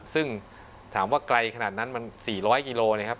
ซึ่งถามว่าไกลขนาดนั้นมัน๔๐๐กิโลนะครับ